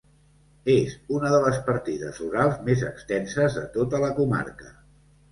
És una de les partides rurals més extenses de tota la comarca.